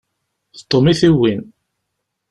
D Tom i t-yewwin.